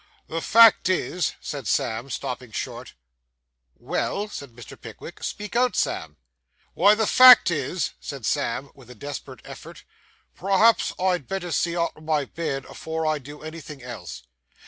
'The fact is ' said Sam, stopping short. 'Well!' said Mr. Pickwick. 'Speak out, Sam.' 'Why, the fact is,' said Sam, with a desperate effort, 'perhaps I'd better see arter my bed afore I do anythin' else.